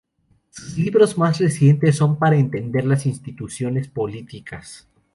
Sus libros más recientes son "Para entender las instituciones políticas.